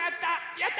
やった！